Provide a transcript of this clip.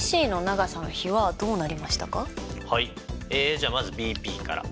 じゃあまずＢＰから。